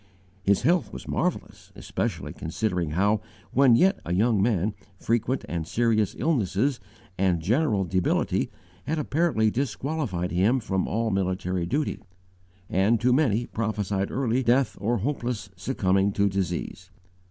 His health was marvelous, especially considering how, when yet a young man, frequent and serious illnesses and general debility had apparently disqualified him from all military duty, and to many prophesied early death or hopeless succumbing to disease.